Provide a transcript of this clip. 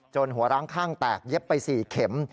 หัวร้างข้างแตกเย็บไป๔เข็ม